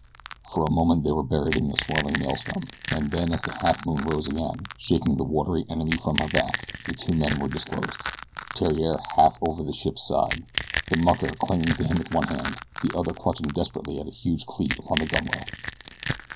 For a moment they were buried in the swirling maelstrom, and then as the Halfmoon rose again, shaking the watery enemy from her back, the two men were disclosed Theriere half over the ship's side the mucker clinging to him with one hand, the other clutching desperately at a huge cleat upon the gunwale.